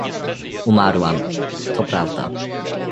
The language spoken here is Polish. — Umarłam… to prawda.